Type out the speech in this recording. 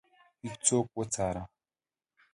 هیڅوک وڅاره.